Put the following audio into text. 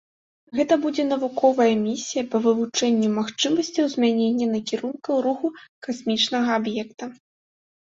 Гэта будзе навуковая місія па вывучэнню магчымасцяў змянення накірунка руху касмічнага аб'екта.